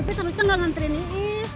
pimpinan terlalu senang nantri nih is